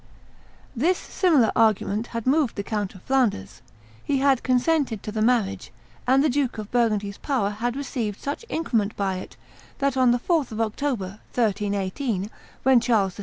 This singular argument had moved the Count of Flanders; he had consented to the marriage; and the Duke of Burgundy's power had received such increment by it that on the 4th of October, 1380, when Charles VI.